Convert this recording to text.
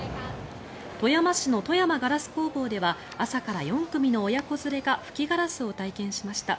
富山市の富山ガラス工房では朝から４組の親子連れが吹きガラスを体験しました。